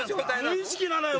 無意識なのよ。